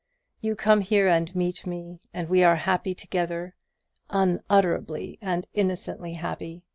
You come here and meet me, and we are happy together unutterably and innocently happy.